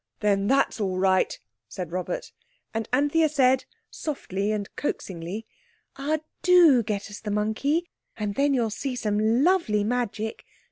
"Then that's all right," said Robert; and Anthea said softly and coaxingly— "Ah, do get us the monkey, and then you'll see some lovely magic.